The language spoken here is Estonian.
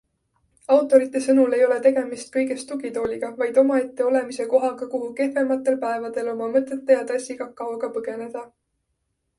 Autorite sõnul ei ole tegemist kõigest tugitooliga, vaid omaette olemise kohaga, kuhu kehvematel päevadel oma mõtete ja tassi kakaoga põgeneda.